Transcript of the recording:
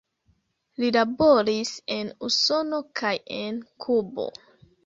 Li laboris en Usono kaj en Kubo.